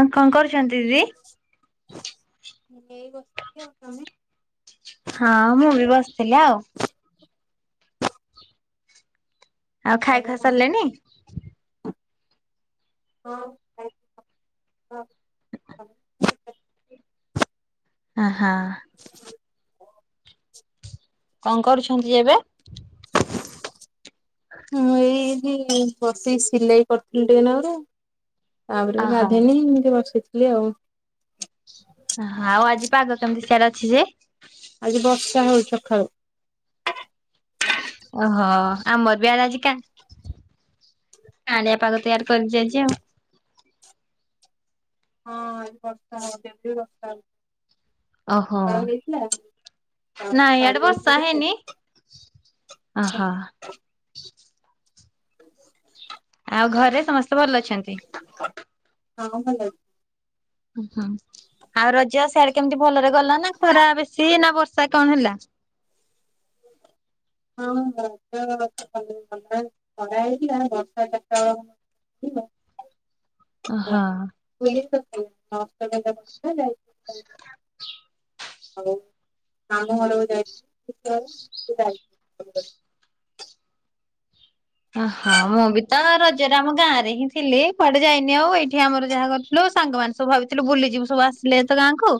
ଆଉ କଣ କରୁଛନ୍ତି ଦିଦି? ଏଇ ବସିଚି ଆଉ ତମେ? ହଁ, ମୁଁ, ବି ବସିଥିଲି ଆଉ। ଆଉ ଖାଇ ଖୁଆ ସାରିଲେଣି? ହଁ, ହଁ [inaudible] ହଁ। ହଁ। କଣ କରୁଛନ୍ତି ଏବେ? ମୁଁ ଏଇଠି ବସିକି ସିଲେଇ କରୁଥିଲି ଟିକେନାରୁ। ତାପରେ ଓହୋ ଗାଧେଇନୀ ଇମିତି ବସିଚି। ଲି ଆଉ। ହାଉ ଆଜି? ପାଗ କେମିତି ସିଆଡ଼େ ଅଛି ଯେ? ଆଜି ବର୍ଷା ହଉଛି ସକାଳୁ। ଓହୋ! ଆମର ବି ଏଆଡେ ଆଜି କା-କାଁଳିଆ ପାଗ ତ ଇଆଡ଼େ କରିଛି ଆଜି ଆଉ। ହଁ ବର୍ଷା ହଉ, ଏବି ବର୍ଷା ହଉ ଓହୋ! ତାପରେ ନାଇଁ ଛାଡି ଇଆଡ଼େ ଯାଇଥିଲା ବର୍ଷା ଟିକେ। ହେଇନି। ଓହୋ! ଆଉ ଘରେ ସମସ୍ତ? ତେ ଭଲ ଅଛନ୍ତି? ହଁ ଭଲ ଅଛି। ଉ ହୁଁ, ଆଉ ରଜ ସିଆଡେ କେମିତି ଭଲରେ ଗଲା ନା ଖରା ବେଶୀ ନା ବର୍ଷା? ସେ କଣ ହେଲା? ହଁ ଖରା [inaudible] ବର୍ଷାଟା ହଁ [inaudible] [inaudible] [unintelligible] ହଉ [unintelligible] ଓ ହଁ ମୁଁ ବି ତ ରଜରେ ଆମ ଗାଁ ରେ ହିଁ ଥିଲି କୁଆଡେ ଯାଇନି ଆଉ ଏଇଠି ଆମର ଯାହା କରିଥିଲୁ ସାଙ୍ଗମାନେ ସବୁ ଭାବିଥିଲୁ ବୁଲିଯିବୁ ସବୁ ଆସିଲେ ତ ଗାଁ କୁ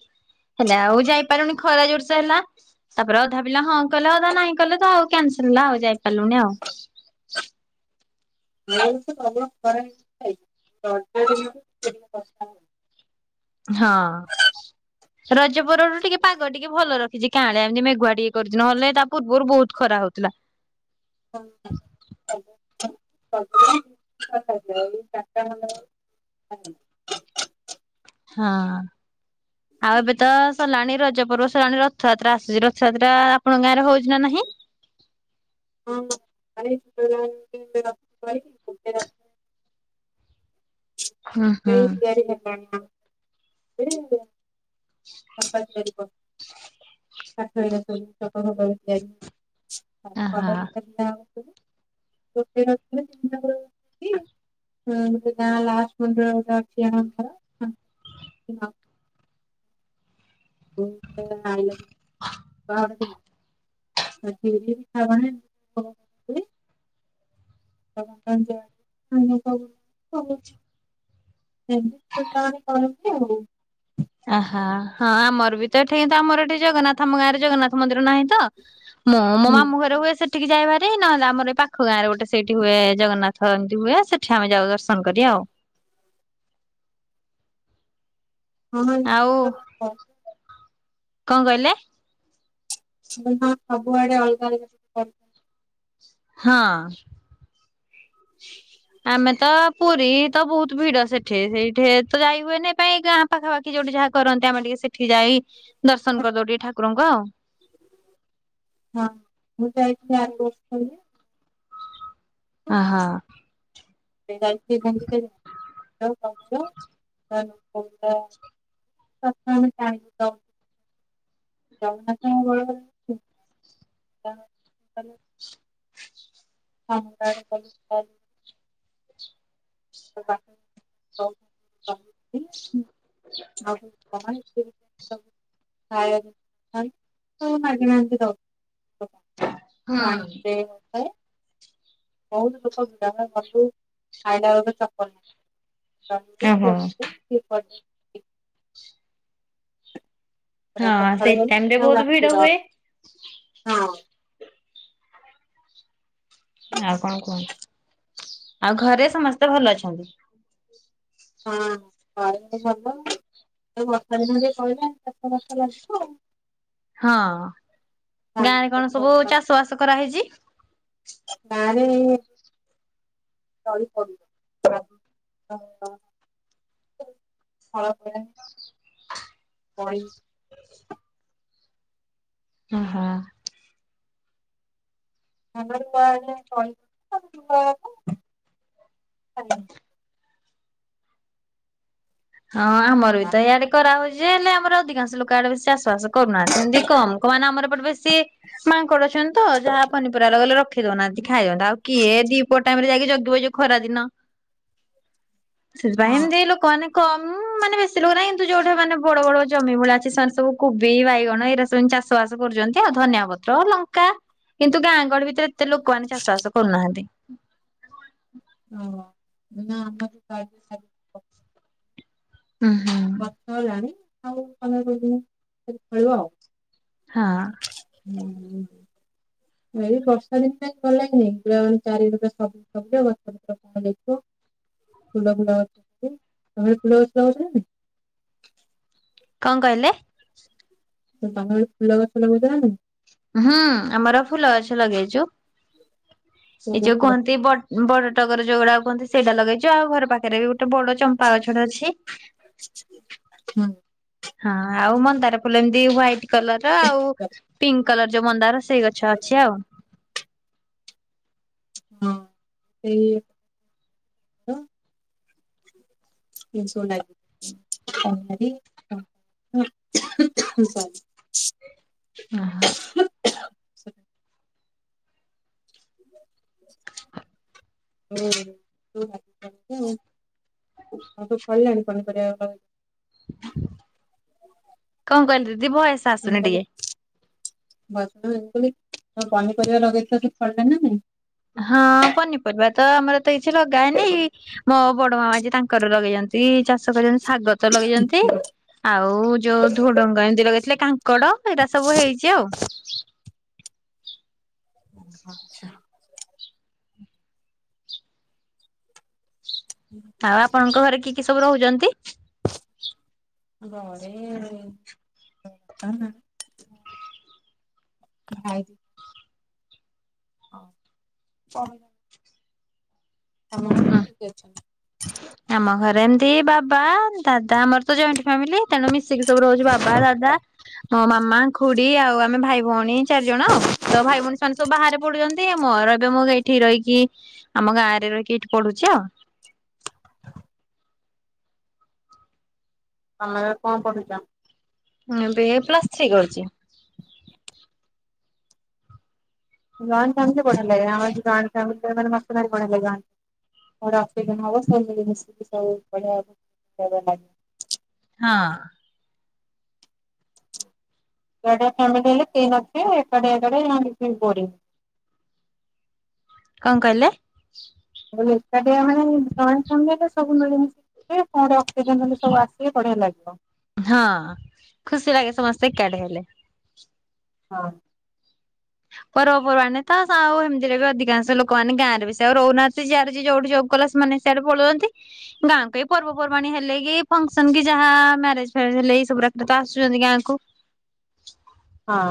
ହେଲେ ଆଉ ଯାଇପାରିଲୁଣି ଖରା ଜୋରସେ ହେଲା ତାପରେ ଅଧା ପିଲା ହଁ କଲେ ଅଧା ନାହିଁ କଲେ ତ ଆଉ କ୍ୟାନସଲ ହେଲା ଆଉ ଯାଇପାରିଲୁନି ଆଉ। [inaudible] ହଁ ରଜପରରୁୁ ଟିକେ ପାଗ ଟିକେ ଭଲ ରଖିଛି କାଁଳିଆ ଏମିତି ମେଘୁଆ ଟିକେ କରୁଚି ନଲେ ତା ପୂର୍ବରୁ ବହୁତ ଖରା ହଉଥିଲା। ହ [inaudible] [inaudible] ହଁ। ଆଉ ଏବେ ତ ସଲାଣି ରଜପର୍ବ ସଲାଣି ରଥଯାତ୍ରା ଆସୁଚି ରଥଯାତ୍ରା ଆପଣଙ୍କ ଗାଁରେ ହଉଚି ନା ନାହିଁ? [unintelligible] ହୁଁ ସେ ହୁଁ। ତିଆରି [unintelligible] ଆହା [unintelligible] [unintelligible] [unintelligible] [unintelligible] [inaudible] [inaudible] [unintelligible] ଓହ ହଁ ଆମର ବି ତ ଏଠି ତ ଆମର ଏଠି ଜଗନ୍ନାଥ ଆମ ଗାଁରେ ଜଗନ୍ନାଥ ମନ୍ଦିର ନାହିଁ ତ ମୁଁ ମୋ ମାମୁ ଘରେ ହୁଏ ସେ ଠିକି ଯାଏ ଭାରି ନହେଲେ ଆମର ଏଇ ପାଖ ଗାଁ ରେ ଗୋଟେ ସେଇଠି ହୁଏ ଜଗନ୍ନାଥ ଏମତି ହୁଏ ସେଠି ଆମେ ଯାଉ ଦର୍ଶନ କରି ଆଉ। ଆଉ [unintelligible] କଣ କଇଲେ? ହ ସବୁଆଡେ ଅଲଗା ଅଲଗା ହଁ ଆମେ ତ ପୁରୀ ତ ବହୁତ ଭିଡ ସେଠି ସେଇଠି ତ ଯାଇ ହୁଏନି ପାଇଁ ଗାଁ ପାଖାପାଖି ଯୋଉଠି ଯାହା କରନ୍ତି ଆମେ ଟିକେ ସେଠି ଯାଇ ଦର୍ଶନ କରିଦଉ ଟି ଠାକୁ ଠାକୁର ଙ୍କୁ ଆଉ। ହଁ ମୁଁ ଜାଇଥିଲି [unintelligible] ଓ ହ। ଗୁଣ୍ଡିଚା ଯାଇଥିଲି [unintelligible] [unintelligible] [unintelligible] [unintelligible] ଏଁ । ବହୁତ ଲୋକ ଭିଡ ଆମେ ଗଲୁ ଆଇଲା ବେଳକୁ ଚପଲ ନାହିଁ। ଓହୋ [unintelligible] ହଁ ସେ ସକାଳୁ ଗଲୁ ଟାଇମ ରେ ଆଉ ବହୁତ ରାତି ଭିଡ ହୁଏ। ଦଶ ହଁ। ଆଉ କଣ କୁହନ୍ତୁ ଆଉ ଘରେ ସମସ୍ତେ ଭଲ ଅଛନ୍ତି। ହଁ ଘରେ ଭଲ ହେଇ ବର୍ଷା ଦିନ ଆଇଲା ଚାଷ ବାସ ଲାଗିବ ଆଉ। ହଁ। ଧାନ ଗାଁ ରେ କଣ ଚାଷ ସବୁ କାମ ଚାଷ ବାସ କରାହେଇଛି? ଗାଁରେ ତଳୀ ପଡିବ ହଳ ପରେ । ପଇ । ଅ ହ । ହଳ ହେଲା ପରେ ତଳି ପଡିବ। ତାପରେ ରୁଆ। ହବ । ହଁ ଆମର ବି ହବ ତ ୟାଡେ କରା ହଉଛି। ଯେ ହେଲେ ଆମର ଅଧିକାଂଶ ଲୋକ ଆଡେ ବେଶୀ ଚାଷ ବାସ କରୁନାହାନ୍ତି ଏମିତି କମ ମାନେ ଆମର ଏପଟେ ବେଶୀ ମା ମଙ୍କଡ ଅଛନ୍ତି ତ ଯାହା ପନିପରିଵା ଲଗେଇଲେ ରଖ ରଖେଇ ଦଉନାହାନ୍ତି ଖାଇବା ଟାଦଅନ୍ତି ଆଉ କିଏ ଦିପର ଟାଇମ ରେ ଯାଇକି ଜଗିବ ଯେ ଖରା ଦିନ । ସେଥିପାଇଁ ହଁ ଏମିତି ଏଇ ଲୋକ ମାନେ । କମ ମାନେ ବେଶୀ ଲୋକ ନାହିଁ କିନ୍ତୁ ଯୋଉଠେ ମାନେ ବଡ ବଡ ଜମି ଭଳିଆ ଅଛି ସେମାନେ ସବୁ କୋବି, ବାଇଗଣ ଏଇରା ସବୁ ଏମତି ଚାଷ ବାସ କରୁଛନ୍ତି ଯେ ଆଉ ଧନିଆ ପତ୍ର ଲଙ୍କା କିନ୍ତୁ ଗାଁ ଗଳି ଭିତରେ । ଏତେ ଲୋକମାନେ ଚାଷ ବାସ କରୁନାହାନ୍ତି। ଓ ନା ଆମର ବାରି ରେ । ହୁଁ ହୁଁ । ଗଛ ହେଲାଣି ଆଉ ପନ୍ଦର କୋଡିଏ ଦିନ ପରେ ଫଳିବ ଆଉ। ହଁ । ହୁଁ । ଏଇ ବର୍ଷା ଋତୁରେ ଭଲ ଲାଗେନା ଚାରୀ ଏଡେ ସବୁଜ ସବୁଜ ଫୁଲ ଗଛ। ତମର ଫୁଲ ଗଛ ଅଛି ନା ନାଇ । କଣ କହିଲେ? ତୁମର ଫୁଲଗଛ ଲଗେଚ ନା ନାଇ । ହୁଁ ଆମର ଫୁଲ ଗଛ ଲଗେଇଛୁ। କୋଉ ଏ କୋଉ ଯୋଉ ଫୁଲ କୁହନ୍ତି ବ ବଡ ଟଗର ଯୋଉଗୁଡ଼ା କୁହନ୍ତି ସେଇଟା ଲଗେଇଛୁ ଆଉ ଘର ପାଖରେ ବି ଗୋଟେ ବଡ ଚମ୍ପା ଗଛଟେ ଅଛି। ହଁ ହଁ ଆଉ ମନ୍ଦାର ଫୁଲ ଏମିତି ହୁଆଇଟ୍ । କଲର ଆଉ ପିଙ୍କ୍ । କଲର ଯୋଉ ମନ୍ଦାର । ସେଇ ଗଛ ଅଛି ଆଉ। ହଁ ସେ ହଁ ହଁ ସେ [inaudible] ହୁଁ କଣ କହିଲ ଯେ ଭଏସ୍ ଆସୁନି ଗଲେ ଟିକେ। ପନିପରିବା ଲଗେଇଥିଲ କି ଫଳିଲା ନା ନାଇଁ। ହଁ ପନିପରିବା ତ ଆମର ତ କିଛି ଲଗାଏନି ମୋ ବଡ ମାମା ତାଙ୍କ ଲଗେଇଛନ୍ତି ଚାଷ କରିଛନ୍ତି। ଶାଗ ତ ଲଗେଇଛନ୍ତି ଆଉ ଯୋଉ ଧୋଡ଼ଙ୍ଗ ଏମତି ଲଗେଇ ହେଲେ କାଙ୍କଡ ଏଇଟା ସବୁ ହେଇଛି ଆଉ। ଆଚ୍ଛା ଆଉ ଆପଣଙ୍କ ଘରେ କି କି ସବୁ ରହୁଛନ୍ତି? ଘରେ ଭାଇ ହଁ ହୁଁ [inaudible] ଆମ ଘରେ ଏମତି ବାବା ଦାଦା ଆମର ତ ଜଏଣ୍ଟ ଫ୍ୟାମିଲି ତେଣୁ ମିଶ୍ ଶିକି ସବୁ ରହୁଛୁ ବାବା ଦାଦା ହଁ ମାମା ଖୁଡି ଆଉ ଆମେ ଭାଇ ଭ ଭାଇ ଭଉଣୀ ଚାରି ଜଣ ଆଉ ତ ଭାଇ ଭଉଣୀ ସେମାନେ ସବୁ ବାହାରେ ପଡୁଛନ୍ତି ମୋର ଏବେ ମୁଁ ଏଇଠି ରହିକି ଆମ ଗାଁରେ ରହିକି ଏଇଠି ପଢୁଛି ଆଉ। ତମେ ଏଵେ କଣ ପଢୁଛ ଏବେ ପ୍ଲସଥ୍ରୀ କରୁଛି। ଗାଁରେ ବଢିଆ ଲାଗେ ଆମର ବଢିଆ ଲାଗେ ଗୋଟେ ଅକେଜନ ହବ ସଵୁ ମିଳିମିଶିକି ସଵୁ ଵଢିଆ ହଁ। ସେଟା ଫ୍ୟାମିଲ ହେଲେ କେହିନଥିଵେଏକାଟିଆ ଏକାଟିଆ ଵୋରିଂଗ୍ କଣ କହିଲେ ମୁ କହିଲି ଏକାଟିଆ ମାନେ ଜଏଣ୍ଟ ଫମିଲିରେ ସବୁ ମିଳିମଶି ଥିଵେ କଣ ଗୋଟେ ଅକେଜନ ହେଲେ ସବୁ ଆସିଵେ ବଢିଆ ଲାଗେ ହଁ ଖୁସି ଲାଗେ ସମସ୍ତେ ଏକାଡେ ହେଲେ। ହଁ। ପର୍ବ ପର୍ବାଣୀ ତ ଆଉ ଏମିତିରେ ବି ଅଧିକାଂଶ ଲୋକମାନେ ଗାଁରେ ବି ସେ ଆଉ ରହୁୁନାହାନ୍ତି ଯିଆଡେ ଯୋଉଠି ଯବ କଲା ସେମାନେ ସେଆଡେ ପଳଉଛନ୍ତି ଗାଁ କୁ ଏଇ ପର୍ବପର୍ବାଣୀ ହେଲେ କି ଫଙ୍କସନ କି ଯାହା ମ୍ୟାରେଜ ଫାରେଜ ହେଲେ ଏଇ ସବୁରେ ଆସୁଛନ୍ତି ଗାଁକୁ। ହଁ।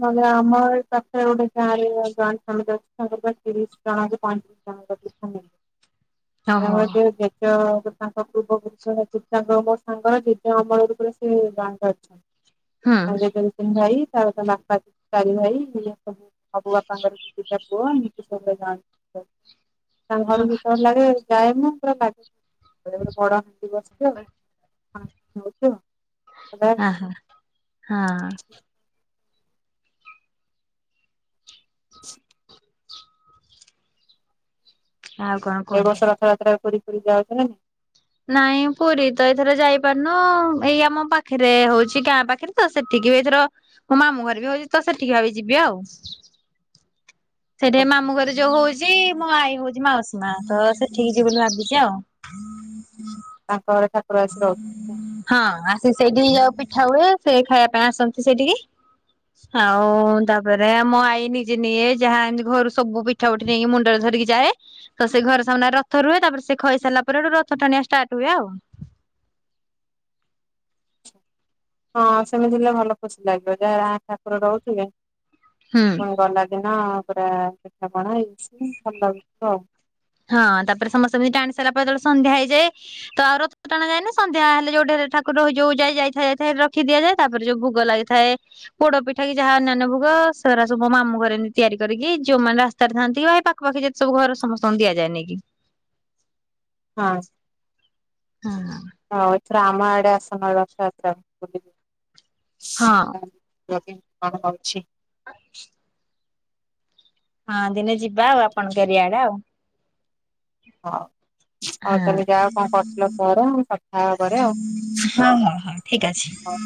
ମାନେ ଆମର ପାଖରେ ଗୋଟେ ଗାଁ ରେ [unintelligible] ତିରିଶ ଜଣ ପଇତିରିଶ ଜଣ ତମର ହୁଁ ଯୋଉ [unintelligible] ତାଙ୍କ ପୂର୍ବ ଗୁରୁ ହେ ତାଙ୍କ ମୋ ସାଙ୍ଗର ଜେଜେ ଅମଳା ରୂପରେ ସେ ଜାଣି ଅଛନ୍ତି। [unintelligible] ଭାଇ ତ [unintelligible] ଭାଇ ଇଏ ସବୁ ମୋ ବାପାଙ୍କର କିଛିଟା ପୁଅ [unintelligible] ତା ଘରକୁ କଣ ଲାଗେ। ଟାଇମ ପୁରା ଲାଗେ। ବେଳେବେଳେ ବଡ ହାଣ୍ଡି ବସିଥିଵ ଆଉ କଣ ନଉଚ। ଅହଁ। ହଁ। ଆଉ କଣ ଏ କୁହନ୍ତୁ? ବର୍ଷ ରଥଯାତ୍ରା ପୁରୀ ଯାଉଛ ନା ନାଇଁ? ନାଇଁ ପୁରୀ ତ ଏଥର ଯାଇପାରୁନୁ ଏଇ ଆମ ପାଖରେ ହଉଛି। ଗାଁ ପାଖରେ ତ ସେଠିକି ବି ଏଥର ମୋ ମାମୁଁ ଘରେ ବି ହଉଛି। ତ ସେଠିକି ଭାବିଚି ଯିବି ଆଉ। [inaudible] ହଉ ସେଠି ମାମୁଁ ଘରେ ଯୋଉ ହଉଛି ମୋ ଆଈ ହଉଛି ମାଉସୀ ମା ତ ସେଠିକି ଯିବି ବୋଲି ଭାବିଛି ଆଉ। [inaudible] ଆ [inaudible] ହଁ ଆସି ସେଇଠିକି ଯାଉଚ ପିଠା ହୁଏ ସେ ଖାଇବା ପାଇଁ ଆସନ୍ତି ସେଇଠିକି? ଆଉ ତାପରେ ମୋ ଆଈ ନିଜେ ନିଏ ଯାହା ଘରୁ ସବୁ ପିଠା ପିଠି ନେଇକି ମୁଣ୍ଡରେ ଧରିକି ଯାଏ ତ ସେ ଘରେ ସାମ୍ନା ରଥ ରୁହେ ତାପରେ ସେ ଖାଇସାରିଲା ପରେ ରଥ ଟାଣିଆ ଷ୍ଟାର୍ଟ ହୁଏ ଆଉ। ହଁ ସେମିତି ହେଲେ ଭଲ ଖୁସି ଲାଗିବ ଯାହା ଠାକୁର ରହୁଥିଲେ। ହୁଁ। ପୁଣି ଗଲା ଦିନ ପୁରା ଦେଖିବା ପାଇଁ ହେଇଚି ଭଲ ଲାଗୁଛି ଆଉ। ହଁ ତାପରେ ସମସ୍ତେ ଏମିତି ଟାଣି ସାରିଲା ପରେ ଯେତେବେଳେ ସନ୍ଧ୍ୟା ହେଇଯାଏ। ତ ଆଉ ରଥ ଟାଣା ଯାଏନି ସନ୍ଧ୍ୟା ହେଲେ ଯୋଉ ଠାର ଯୋଉ ଯାଇ ଯାଇଥାଏାଇ ରଖି ଦିଆଯାଏ। ତାପରେ ଯୋଉ ଭୋଗ ଲାଗିଥାଏ। ପୋଡ ପିଠା କି ଯାହା ଅନ୍ୟାନ୍ୟ ଭୋଗ ସବୁ ସେଉରା ସବୁ ମାମୁଁ ଘରେ ତିଆରି କରିକି ଯୋଉମାନେ ରାସ୍ତାରେ ଥାନ୍ତି କି ଭାଇ ପାଖା ପାଖି ଯେତେ ସବୁ ଘର ସମସ୍ତେ ଦିଆଯାଏ ନେଇକି। [inaudible] ହଁ। ହୁଁ । ଆଉ ଏଥର ଆମ ଆଡେ ଆସନ ରଥଯାତ୍ରା ବୁଲିକି ହଁ। କଣ ହଉଛି ହଁ ଦିନେ ଯିବା ଆଉ ଆପଣଙ୍କ ଏରିଆଡେ ଆଉ। ହଉ ହଉ ହଁ। ତାହାଲେ ଯାଅ କଣ କରୁଥିଲ କର କଥା ହେବା ପରେ ଆଉ ହଁ ହଁ ହଁ ଠିକ୍ ଅଛି [inaudible] ହଉ।